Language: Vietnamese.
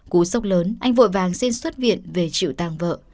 cú sốc lớn anh vội vàng xin xuất viện về chịu tàng vợ